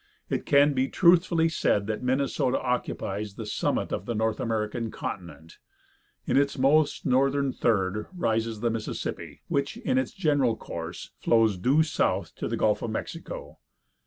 It can be truthfully said that Minnesota occupies the summit of the North American continent. In its most northern third rises the Mississippi, which, in its general course, flows due south to the Gulf of Mexico.